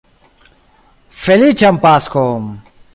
Feliĉan Paskon!